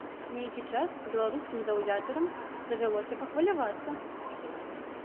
Нейкі час беларускім заўзятарам давялося пахвалявацца.